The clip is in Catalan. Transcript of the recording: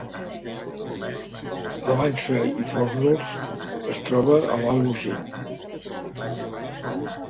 La Vansa i Fórnols es troba a l’Alt Urgell